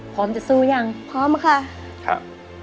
พร้อมจะสู้ยังพร้อมค่ะครับ